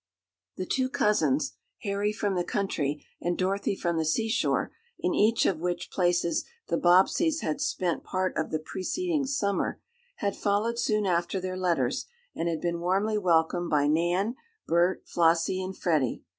The two cousins Harry from the country and Dorothy from the seashore, in each of which places the Bobbseys had spent part of the preceding summer, had followed soon after their letters, and had been warmly welcomed by Nan, Bert, Flossie and Freddie.